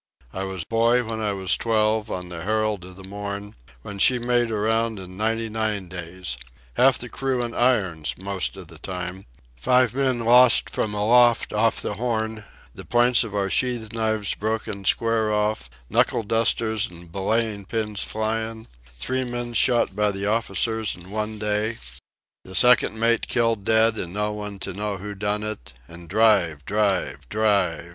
I was boy when I was twelve, on the Herald o' the Morn, when she made around in ninety nine days—half the crew in irons most o' the time, five men lost from aloft off the Horn, the points of our sheath knives broken square off, knuckle dusters an' belayin' pins flyin', three men shot by the officers in one day, the second mate killed dead an' no one to know who done it, an' drive! drive! drive!